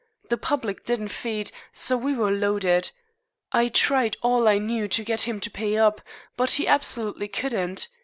The public didn't feed, so we were loaded. I tried all I knew to get him to pay up, but he absolutely couldn't.